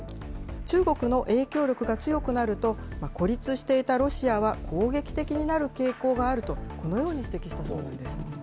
中国の影響力が強くなると、孤立していたロシアは攻撃的になる傾向があると、このように指摘したそうなんです。